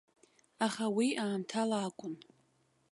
Аха уи аамҭала акәын.